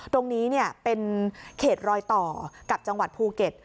ตรงนี้เป็นเขตรอยต่อกับจังหวัดภูเก็ต